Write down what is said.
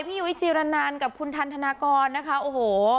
ไปพี่อยุ้ยจี๋ระนานกับคุณทันทนกอนนะคะโอ้โห